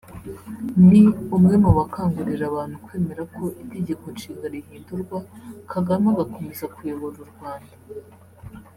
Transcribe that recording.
Mi umwe mu bakangurira abantu kwemera ko itegeko nshinga rihindurwa Kagame agakomeza kuyobora u Rwanda